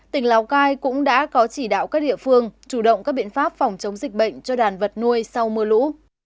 tỉnh lào cai cũng đã có chỉ đạo các địa phương chủ động các biện pháp phòng chống dịch bệnh cho đàn vật nuôi sau mưa lũ